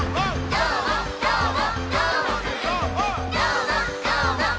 どーもどーも。